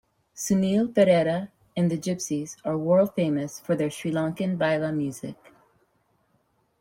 Sunil Perera and the Gypsies are world-famous for their Sri Lankan baila music.